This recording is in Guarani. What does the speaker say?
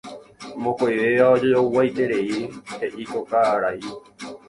Mokõivéva ojojoguaiterei heʼi ko karai.